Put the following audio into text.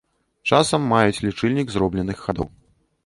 Часам маюць лічыльнік зробленых хадоў.